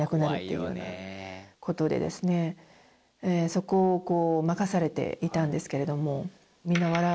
そこをこう任されていたんですけれども。